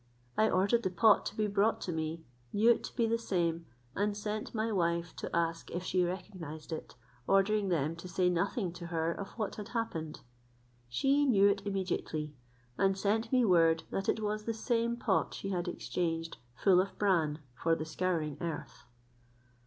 I ordered the pot to be brought to me, knew it to be the same; and sent to my wife to ask if she recognized it, ordering them to say nothing to her of what had happened. She knew it immediately, and sent me word that it was the same pot she had exchanged full of bran for the scouring earth.